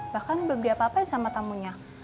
bahkan diapa apain sama tamunya